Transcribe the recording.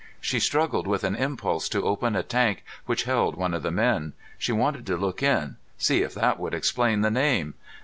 She struggled with an impulse to open a tank which held one of the men. She wanted to look in, see if that would explain the name.